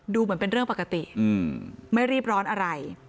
เหมือนเป็นเรื่องปกติไม่รีบร้อนอะไร